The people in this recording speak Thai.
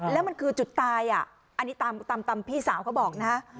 แล้วมันคือจุดตายอ่ะอันนี้ตามตามตามพี่สาวก็บอกนะ